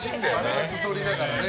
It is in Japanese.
バランスとりながらね。